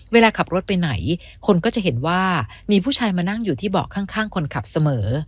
เวลาขับรถไปไหนคนก็จะเห็นว่ามีผู้ชายมานั่งอยู่ที่เบาะข้างคนขับเสมอ